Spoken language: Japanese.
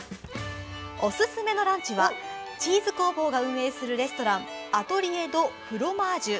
おすすめのランチはチーズ工房が運営するレストランアトリエ・ド・フロマージュ。